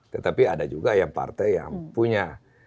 tetapi ada juga yang partai yang punya